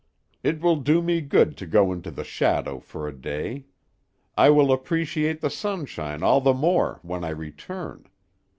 It will do me good to go into the shadow for a day; I will appreciate the sunshine all the more when I return.